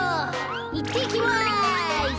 いってきます。